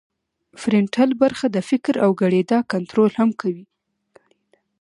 فرنټل برخه د فکر او ګړیدا کنترول هم کوي